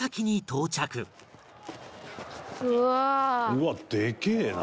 「うわでけえな」